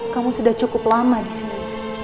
kamu sudah cukup lama di sini